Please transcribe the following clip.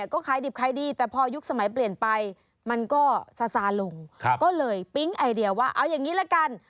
ก็ซาลงก็เลยปิ๊งไอเดียว่าเอาอย่างนี้ละกัน